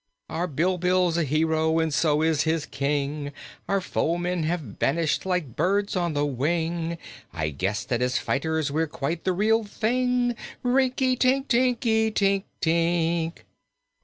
Our Bilbil's a hero and so is his King; Our foemen have vanished like birds on the wing; I guess that as fighters we're quite the real thing Rink i tink, tink i tink, tink!"